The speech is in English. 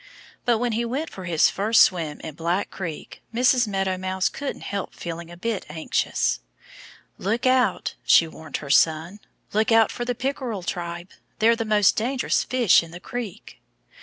But when he went for his first swim in Black Creek Mrs. Meadow Mouse couldn't help feeling a bit anxious. "Look out!" she warned her son. "Look out for the Pickerel tribe! They're the most dangerous fish in the creek."